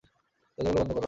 দরজাগুলো বন্ধ কর।